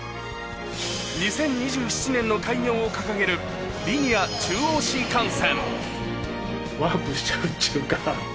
横娃横年の開業を掲げるリニア中央新幹線。